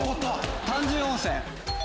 単純温泉。